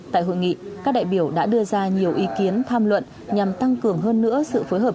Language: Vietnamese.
tại hội nghị các đại biểu đã đưa ra nhiều ý kiến tham luận nhằm tăng cường hơn nữa sự phối hợp